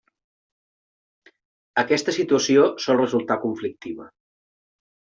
Aquesta situació sol resultar conflictiva.